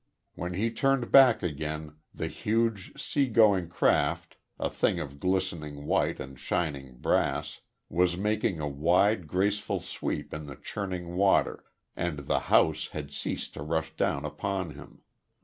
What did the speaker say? When he turned back again, the huge, sea going craft, a thing of glistening white and shining brass, was making a wide, graceful sweep in the churning water, and the house had ceased to rush down upon him.